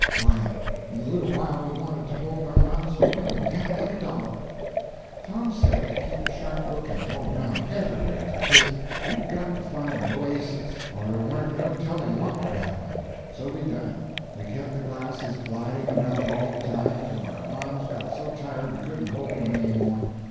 Why, in a little while we wanted to hold our mouths open and pant like a dog. Tom said to keep a sharp lookout, all around, everywheres, because we'd got to find an oasis or there warn't no telling what would happen. So we done it. We kept the glasses gliding around all the time, till our arms got so tired we couldn't hold them any more.